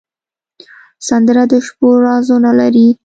سندره د شپو رازونه لري